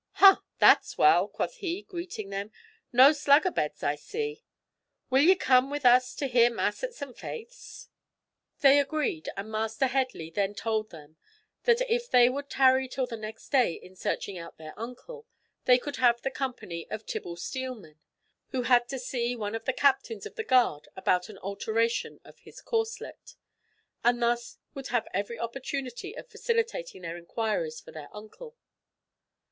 "Ha! that's well," quoth he, greeting them. "No slugabeds, I see. Will ye come with us to hear mass at St. Faith's?" They agreed, and Master Headley then told them that if they would tarry till the next day in searching out their uncle, they could have the company of Tibble Steelman, who had to see one of the captains of the guard about an alteration of his corslet, and thus would have every opportunity of facilitating their inquiries for their uncle.